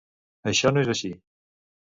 Això no és així.